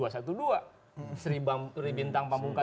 seribam turibintang pamungkanya